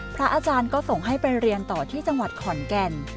พระอาจารย์ก็ส่งให้ไปเรียนต่อที่จังหวัดขอนแก่น